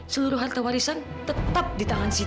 seluruh harta warisan tetap di tangan siti